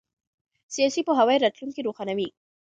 سیاسي پوهاوی راتلونکی روښانوي